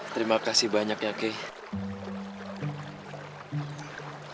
terima kasih banyak ya ki